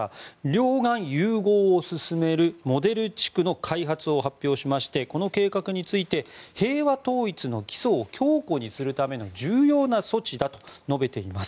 両岸融合を進めるモデル地区の開発を発表しましてこの計画について平和統一の基礎を強固にするための重要な措置だと述べています。